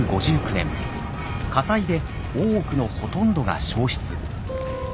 火災で大奥のほとんどが焼失。